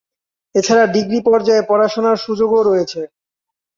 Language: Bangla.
এছাড়া ডিগ্রি পর্যায়ে পড়াশুনার সুযোগও রয়েছে।